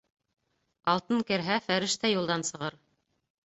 Алтын керһә, фәрештә юлдан сығыр.